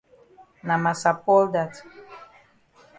Na massa Paul dat.